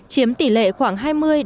chiếm tỷ lệ khoảng hai mươi hai mươi năm